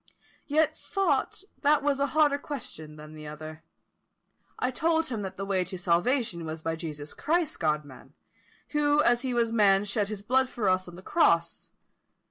Yet thought that was a harder question than the other. I told him that the way to salvation was by Jesus Christ, God man, who as he was man shed his blood for us on the cross, &c.